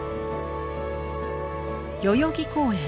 代々木公園。